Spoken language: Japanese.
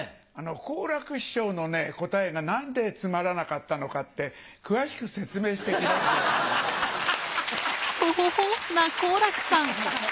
好楽師匠のね答えが何でつまらなかったのかって詳しく説明してくれると思います。